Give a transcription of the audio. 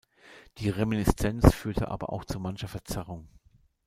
Die Reminiszenz führte aber auch zu mancher Verzerrung.